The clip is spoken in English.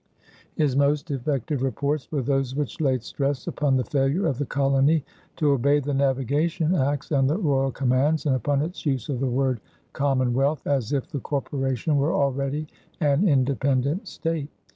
His most effective reports were those which laid stress upon the failure of the colony to obey the navigation acts and the royal commands, and upon its use of the word "Commonwealth," as if the corporation were already an independent state.